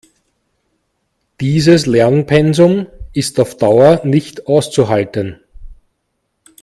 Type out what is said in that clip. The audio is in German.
Dieses Lernpensum ist auf Dauer nicht auszuhalten.